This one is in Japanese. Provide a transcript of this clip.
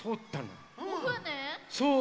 そう。